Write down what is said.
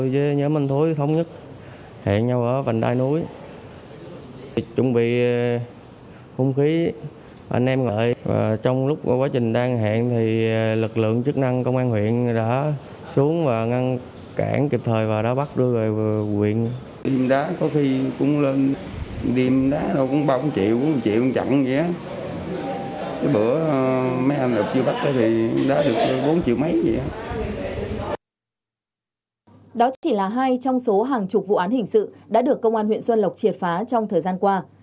đó chỉ là hai trong số hàng chục vụ án hình sự đã được công an huyện xuân lộc triệt phá trong thời gian qua